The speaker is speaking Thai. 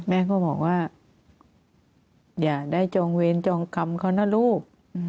แม่ก็บอกว่าอย่าได้จองเวรจองกรรมเขานะลูก